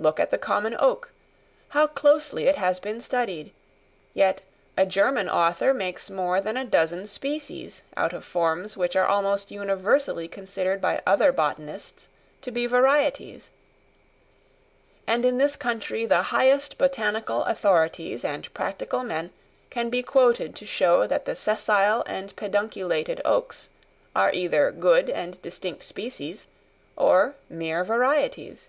Look at the common oak, how closely it has been studied; yet a German author makes more than a dozen species out of forms, which are almost universally considered by other botanists to be varieties; and in this country the highest botanical authorities and practical men can be quoted to show that the sessile and pedunculated oaks are either good and distinct species or mere varieties.